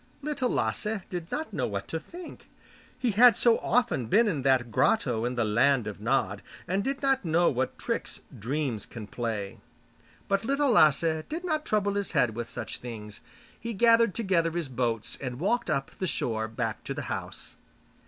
Little Lasse did not know what to think. He had so often been in that grotto in the 'Land of Nod' and did not know what tricks dreams can play. But Little Lasse did not trouble his head with such things; he gathered together his boats and walked up the shore back to the house.